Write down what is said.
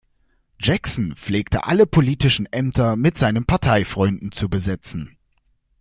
Jackson pflegte alle politischen Ämter mit seinen Parteifreunden zu besetzen.